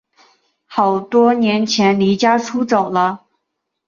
好多年前离家出走了